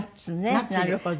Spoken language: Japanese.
なるほど。